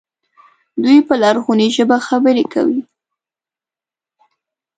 دوی په لرغونې ژبه خبرې کوي.